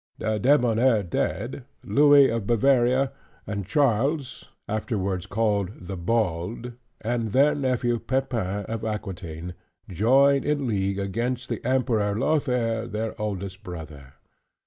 Debonnaire dead, Louis of Bavaria, and Charles afterwards called the Bald, and their nephew Pepin, of Aquitaine, join in league against the Emperor Lothair their eldest brother.